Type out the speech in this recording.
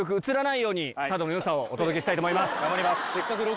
頑張ります！